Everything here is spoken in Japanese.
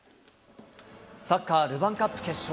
サッカールヴァンカップ決勝。